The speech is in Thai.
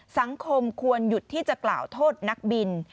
สังคมควรหยุดที่จะกล่าวโทษนักบิน